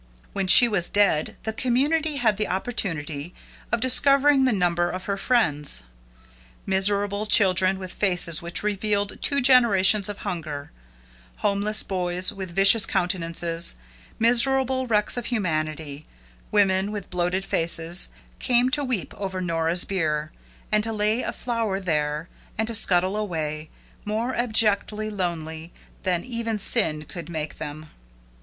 When she was dead the community had the opportunity of discovering the number of her friends. Miserable children with faces which revealed two generations of hunger, homeless boys with vicious countenances, miserable wrecks of humanity, women with bloated faces, came to weep over Nora's bier, and to lay a flower there, and to scuttle away, more abjectly lonely than even sin could make them.